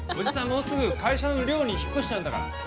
もうすぐ会社の寮に引っ越しちゃうんだから」。